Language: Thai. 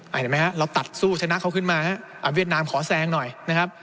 เห็นมั้ยครับเราตัดสู้ชนะเขาขึ้นมานะครับอ้าวเวียดนามขอแซงหน่อยนะครับ